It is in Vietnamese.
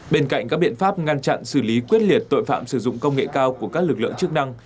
bên cạnh các biện pháp ngăn chặn xử lý quyết liệt tội phạm sử dụng công nghệ cao của các lực lượng chức năng